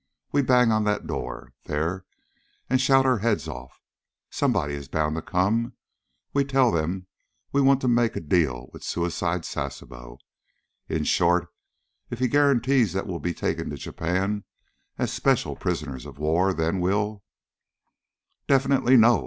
We bang on that door, there, and shout our heads off. Somebody is bound to come. We tell them we want to make a deal with Suicide Sasebo. In short, if he guarantees that we'll be taken to Japan as special prisoners of war, then we'll " "Definitely, no!"